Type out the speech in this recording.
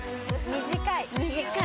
短い。